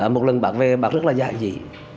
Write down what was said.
một lần bạn về bạn rất là giải dị